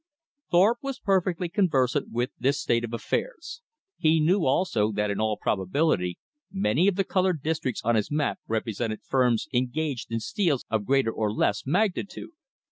Thorpe was perfectly conversant with this state of affairs. He knew, also, that in all probability many of the colored districts on his map represented firms engaged in steals of greater or less magnitude.